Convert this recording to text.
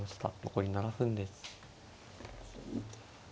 残り７分です。